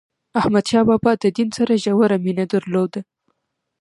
احمد شاه بابا د دین سره ژوره مینه درلوده.